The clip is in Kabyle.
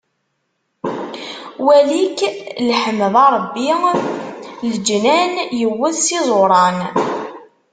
Wali-k lḥemd a Ṛebbi, leǧnan yewwet s iẓuran.